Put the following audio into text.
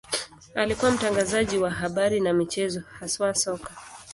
Alikuwa mtangazaji wa habari na michezo, haswa soka.